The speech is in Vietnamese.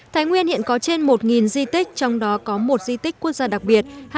thái nguyên hiện có trên một di tích trong đó có một di tích quốc gia đặc biệt